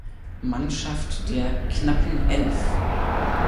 Mannschaft der „Knappen-Elf“.